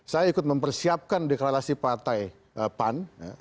saya ikut mempersiapkan deklarasi partai pan